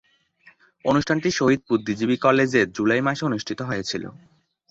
অনুষ্ঠানটি শহীদ বুদ্ধিজীবী কলেজে জুলাই মাসে অনুষ্ঠিত হয়েছিলো।